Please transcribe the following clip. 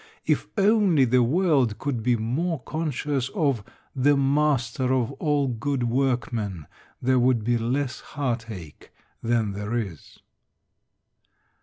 If only the world could be more conscious of "the Master of all good workmen" there would be less heartache than there is.